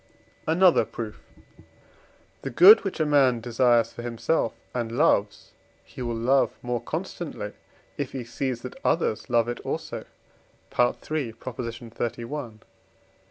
Another Proof. The good, which a man desires for himself and loves, he will love more constantly, if he sees that others love it also (III. xxxi.)